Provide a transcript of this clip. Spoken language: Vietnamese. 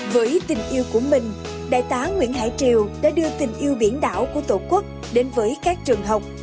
với tình yêu của mình đại tá nguyễn hải triều đã đưa tình yêu biển đảo của tổ quốc đến với các trường học